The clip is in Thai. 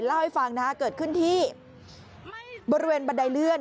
เล่าให้ฟังนะฮะเกิดขึ้นที่บริเวณบันไดเลื่อน